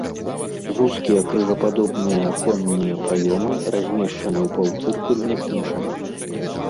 Вузкія крыжападобныя аконныя праёмы размешчаны ў паўцыркульных нішах.